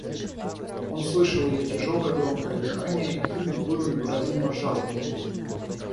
Он слышал ее тяжелое, громкое дыхание, и ему было невыразимо жалко ее.